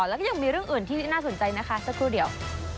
แล้วก็ยังมีเรื่องอื่นที่น่าสนใจนะคะสักครู่เดียว